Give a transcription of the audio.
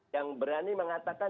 yang berani mengatakan